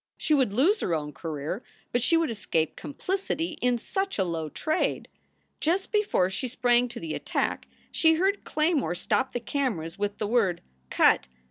She would lose her own career, but she would escape complicity in such a low trade. Just before she sprang to the attack she heard Claymore stop the cameras with the word, "Cut!"